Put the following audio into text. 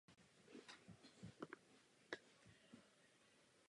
Také na to jste se ptala.